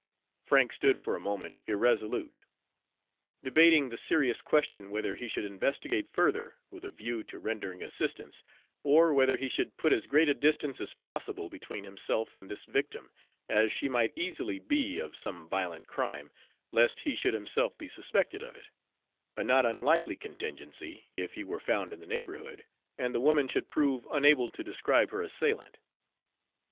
Frank stood for a moment irresolute, debating the serious question whether he should investigate further with a view to rendering assistance, or whether he should put as great a distance as possible between himself and this victim, as she might easily be, of some violent crime, lest he should himself be suspected of it a not unlikely contingency, if he were found in the neighborhood and the woman should prove unable to describe her assailant.